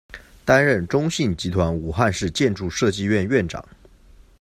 担任中信集团武汉市建筑设计院院长。